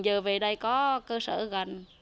giờ về đây có cơ sở gần